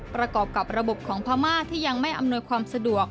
ประกอบกับระบบของพม่าที่ยังไม่อำนวยความสะดวก